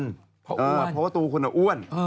เพราะว่าตัวคุณน่ะอ้วน